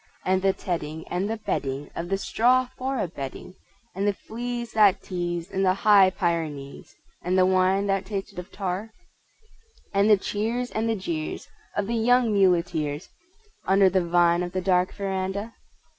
And the tedding and the bedding Of the straw for a bedding, And the fleas that tease in the High Pyrenees, And the wine that tasted of tar? And the cheers and the jeers of the young muleteers (Under the vine of the dark veranda)?